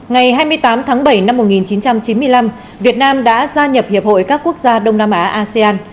ngày hai mươi tám tháng bảy năm một nghìn chín trăm chín mươi năm việt nam đã gia nhập hiệp hội các quốc gia đông nam á asean